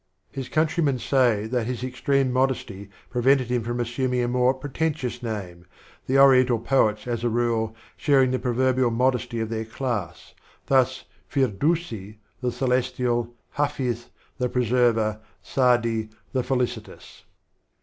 His countrymen say that his extreme modesty prevented him from assuming a more pretentious name, the Oriental poets, as a rule, sharing the proverbial modesty of their class, thus, Firdusi, the "Celestial," Hafiz, the "Preserver," Saadi, the "Felicitous."